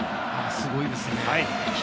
すごいですね。